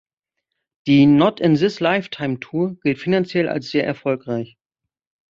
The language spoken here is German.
Die "Not In This Lifetime"-Tour gilt finanziell als sehr erfolgreich.